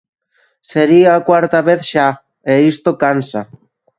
Sería a cuarta vez xa e isto cansa.